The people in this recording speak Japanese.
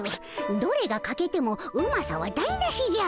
どれがかけてもうまさは台なしじゃ。